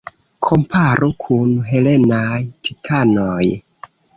Komparu kun helenaj titanoj.